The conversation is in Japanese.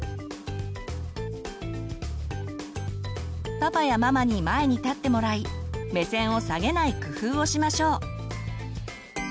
パパやママに前に立ってもらい目線を下げない工夫をしましょう。